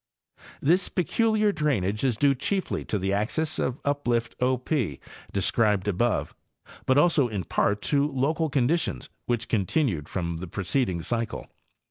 This peculiar drainage is due chiefly to the axis of uplift O P, described above, but also in part to local conditions which continued from the preceding cycle.